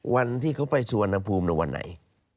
วันที่เขาไปสุวรรณภูมิวันไหน